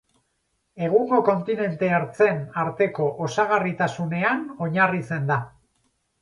Egungo kontinente ertzen arteko osagarritasunean oinarritzen da.